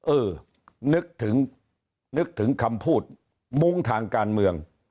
เออนึกถึงนึกถึงคำพูดมุ้งทางการเมือง